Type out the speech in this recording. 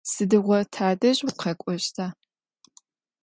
Сыдигъо тадэжь укъэкӏощта?